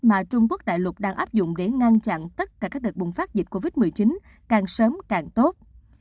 mà trung quốc đại lục đang áp dụng để ngăn chặn tất cả các đợt bùng phát dịch covid một mươi chín càng sớm càng tốt